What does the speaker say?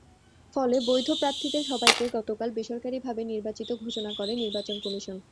ফলে বৈধ প্রার্থীদের সবাইকে গতকাল বেসরকারিভাবে নির্বাচিত ঘোষণা করে নির্বাচন কমিশন।